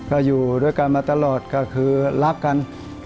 ก็อยู่ด้วยกันมาตลอดก็คือรักกัน